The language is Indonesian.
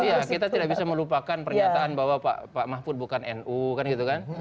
iya kita tidak bisa melupakan pernyataan bahwa pak mahfud bukan nu kan gitu kan